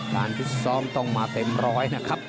ฟิศซ้อมต้องมาเต็มร้อยนะครับ